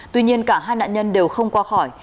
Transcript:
tuy nhiên cả hai nạn nhân đều không qua khỏi